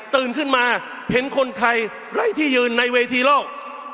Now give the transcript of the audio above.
ตื่นขึ้นมาเห็นคนไทยไร้ที่ยืนในเวทีโลก